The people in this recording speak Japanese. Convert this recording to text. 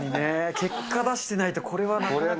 結果出してないとね、これはなかなか。